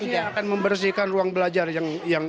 yang akan membersihkan ruang belajar yang penting